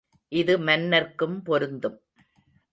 இது மன்னர்க்கும் பொருந்தும்.